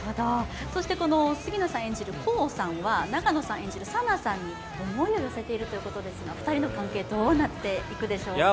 この杉野さん演じる功さんは永野さん演じる佐奈さんに思いを寄せているということですけど２人の関係、どうなっていくでしょうか？